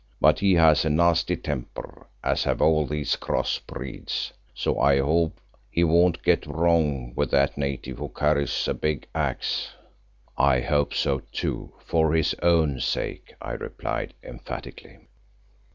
But he has a nasty temper, as have all these cross breeds, so I hope he won't get wrong with that native who carries a big axe." "I hope so too, for his own sake," I replied emphatically.